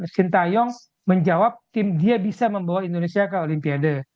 sintayong menjawab tim dia bisa membawa indonesia ke olimpiade